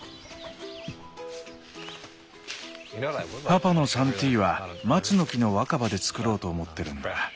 パパのサンティーは松の木の若葉で作ろうと思ってるんだ。